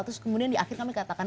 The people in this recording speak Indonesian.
terus kemudian di akhir kami katakan